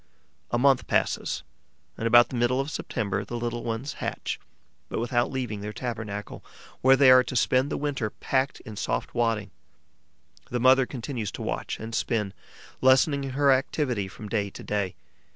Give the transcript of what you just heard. A month passes and, about the middle of September, the little ones hatch, but without leaving their tabernacle, where they are to spend the winter packed in soft wadding. The mother continues to watch and spin, lessening her activity from day to day.